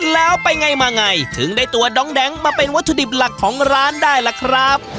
แล้วไปไงมาไงถึงได้ตัวน้องแดงมาเป็นวัตถุดิบหลักของร้านได้ล่ะครับ